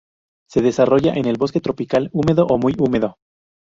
Se desarrolla en el bosque tropical húmedo o muy húmedo.